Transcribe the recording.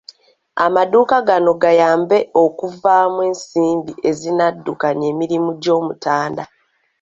Amaduuka gano gayambe okuvaamu ensimbi ezinaddukanya emirimu gy'Omutanda